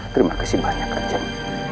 terima kasih banyak arjam